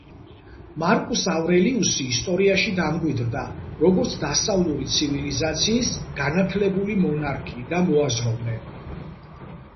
მარკუს ავრელიუსი ისტორიაში დამკვიდრდა, როგორც დასავლური ცივილიზაციის განათლებული მონარქი და მოაზროვნე.